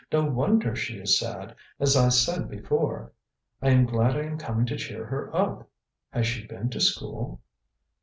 "No wonder she is sad, as I said before. I am glad I am coming to cheer her up. Has she been to school?"